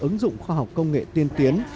ứng dụng khoa học công nghệ tiên tiến